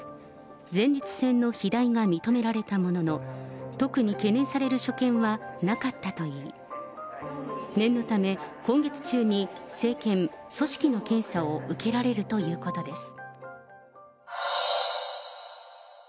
前立腺の肥大が認められたものの、特に懸念される所見はなかったといい、念のため今月中に生検・組織の検査を受けられるということです。